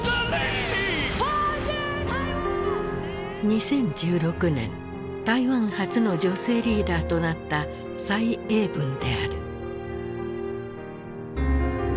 ２０１６年台湾初の女性リーダーとなった蔡英文である。